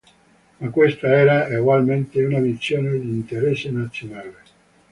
Ma questa era egualmente una visione di interesse nazionale.